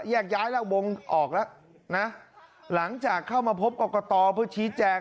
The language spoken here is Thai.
แยกย้ายแล้ววงออกแล้วนะหลังจากเข้ามาพบกรกตเพื่อชี้แจง